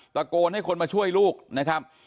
ตะโกนให้คนมาช่วยลูกนะครับ